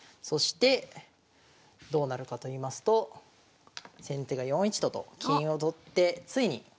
そしてどうなるかといいますと先手が４一と金と金を取ってついに。